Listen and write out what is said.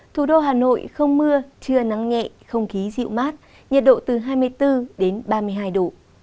thủ đô hà nội không mưa trưa nắng nhẹ không khí dịu mát nhiệt độ từ hai mươi bốn đến ba mươi hai độ